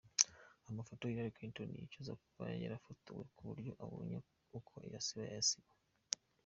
Amafoto Hillary Clinton yicuza kuba yarafotowe ku buryo abonye uko ayasiba yayasiba.